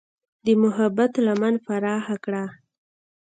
د محبت لمن پراخه کړه.